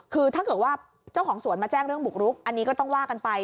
คือถ้าเกิดว่าเจ้าของสวนมาแจ้งเรื่องบุกรุกอันนี้ก็ต้องว่ากันไป